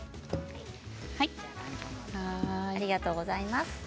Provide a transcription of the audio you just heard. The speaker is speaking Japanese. ありがとうございます。